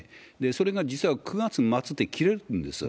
それが実は９月末で切れるんです。